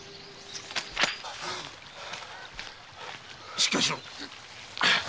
しっかりしろ！